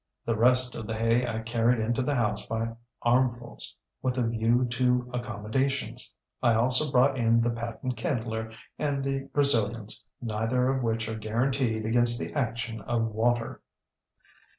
The rest of the hay I carried into the house by armfuls, with a view to accommodations. I also brought in the patent kindler and the Brazilians, neither of which are guaranteed against the action of water.